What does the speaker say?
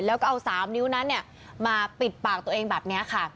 แล้วก็เอา๓นิ้วนั้นมาปิดปากตัวเองแบบนี้ค่ะ